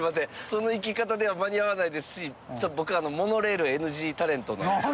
その行き方では間に合わないですし実は僕モノレールＮＧタレントなんですよ。